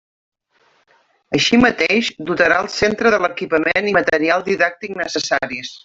Així mateix, dotarà el centre de l'equipament i material didàctic necessaris.